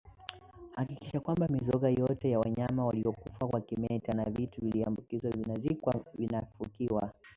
Hakikisha kwamba mizoga yoyote ya wanyama waliokufa kwa kimeta na vitu vilivyoambukizwa vinazikwa vinafukiwa